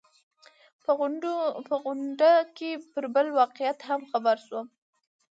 په غونډه کې پر بل واقعیت هم خبر شوم.